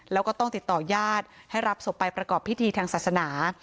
แล้วก็ต้องติดต่อญาติให้รับศพไปประกอบพิธีทางศาสนา